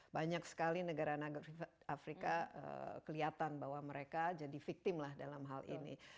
banyak sekali negara negara afrika kelihatan bahwa mereka jadi victim lah dalam hal ini